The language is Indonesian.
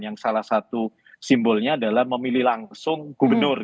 yang salah satu simbolnya adalah memilih langsung gubernur